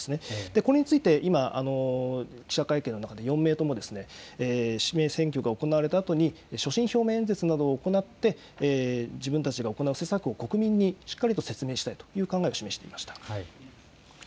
これについて、今、記者会見の中で４名とも、指名選挙が行われたあとに所信表明演説などを行って、自分たちが行う政策を国民にしっかりと説明したいという考えを示していました。